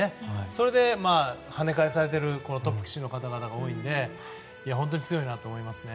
それで、跳ね返されているトップ棋士の方々も多いので本当に強いなと思いますね。